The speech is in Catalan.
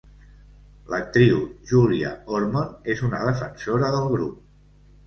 L'actriu Júlia Ormond és una defensora del grup.